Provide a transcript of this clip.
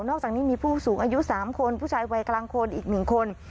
อกจากนี้มีผู้สูงอายุ๓คนผู้ชายวัยกลางคนอีก๑คน